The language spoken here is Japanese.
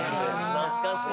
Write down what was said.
懐かしいな。